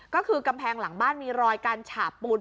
ก็คือกำแพงหลังบ้านมีรอยการฉาบปูน